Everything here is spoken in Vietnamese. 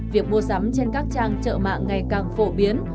việc mua sắm trên các trang trợ mạng ngày càng phổ biến